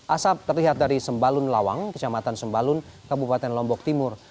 asap terlihat dari sembalun lawang kecamatan sembalun kabupaten lombok timur